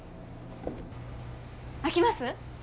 空きます？